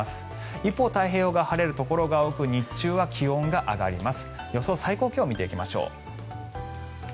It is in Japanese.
一方、太平洋側は晴れるところが多く日中は気温が上がります。